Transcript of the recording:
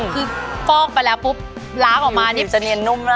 คือป้อกไปแล้วปุ๊บล้างออกมาผิวจะเนียนนุ่มน่ะ